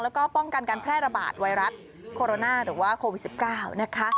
แล้วก็ป้องกันการแพร่ระบาดไวรัสโคโรนาหรือว่าโควิด๑๙นะคะ